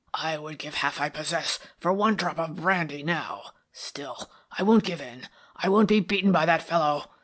"I would give half I possess for one drop of brandy now. Still, I won't give in, I won't be beaten by that fellow.